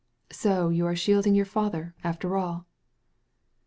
" So you are shielding your father, after all